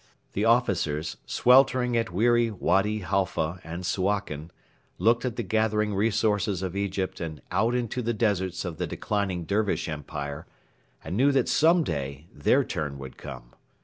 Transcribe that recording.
The officers, sweltering at weary Wady Halfa and Suakin, looked at the gathering resources of Egypt and out into the deserts of the declining Dervish Empire and knew that some day their turn would come.